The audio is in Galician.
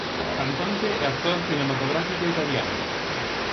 Cantante e actor cinematográfico italiano.